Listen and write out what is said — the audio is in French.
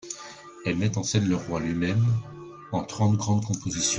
Elles mettent en scène le roi lui-même en trente grandes compositions.